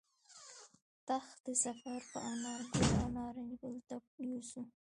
تخت سفر به انارګل او نارنج ګل ته یوسو